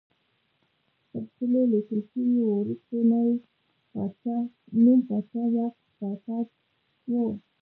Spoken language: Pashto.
پر څلي لیکل شوی وروستی نوم پاچا یاکس پاساج و